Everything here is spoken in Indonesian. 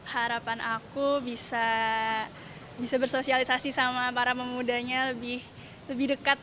harapan aku bisa bersosialisasi sama para pemudanya lebih dekat